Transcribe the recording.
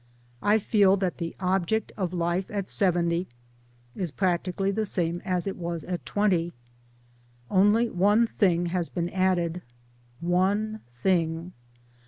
I feel that the object of life at seventy is practically the same as it was at twenty. Only one thing" has been added. One thing